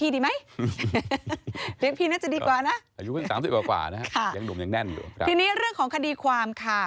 ทีนี้เรื่องของคดีความค่ะ